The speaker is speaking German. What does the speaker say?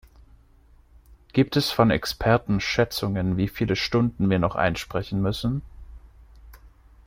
Gibt es von Experten Schätzungen, wie viele Stunden wir noch einsprechen müssen?